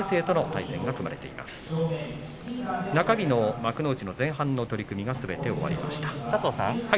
中日の幕内前半の取組がすべて終わりました。